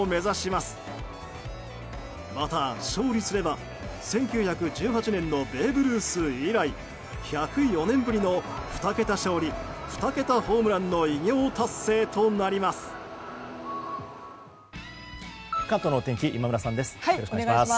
また、勝利すれば１９１８年のベーブ・ルース以来１０４年ぶりの２桁勝利２桁ホームランの偉業達成となります。